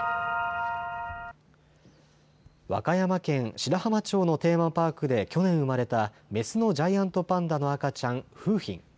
和歌山県白浜町のテーマパークで去年生まれたメスのジャイアントパンダの赤ちゃん、楓浜。